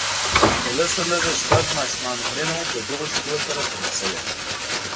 د لږ تر لږه شپږو ماشومانو مړینه هم ددغو شیدو سره تړل شوې ده